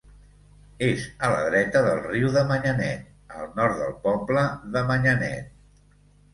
És a la dreta del riu de Manyanet, al nord del poble de Manyanet.